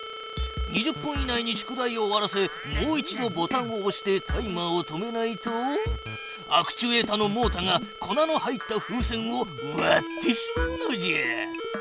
２０分以内に宿題を終わらせもう一度ボタンをおしてタイマーを止めないとアクチュエータのモータが粉の入った風船をわってしまうのじゃ。